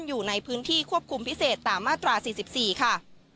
อยู่ในพื้นที่ควบคุมพิเศษตามมาตรา๔๔ค่ะ